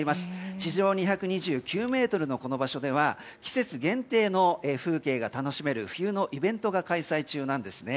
地上２２９ｍのこの場所では季節限定の風景が楽しめる冬のイベントが開催中なんです。